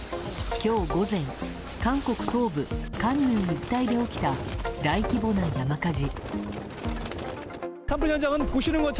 今日午前韓国東部カンヌン一帯で起きた大規模な山火事。